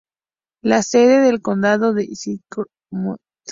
La sede del condado es Stockton.